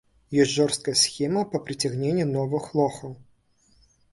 Ёсць жорсткая схема па прыцягненні новых лохаў.